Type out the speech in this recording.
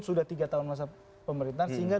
sudah tiga tahun masa pemerintahan sehingga